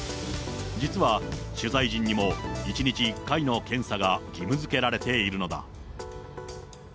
実は取材陣にも１日１回の検査が義務づけられているのだ。